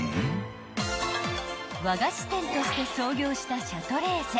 ［和菓子店として創業したシャトレーゼ］